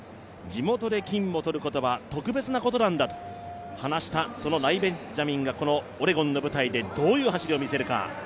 地元で金を取ることは特別なことなんだと話したそのライ・ベンジャミンがこのオレゴンの舞台でどういう走りを見せるか。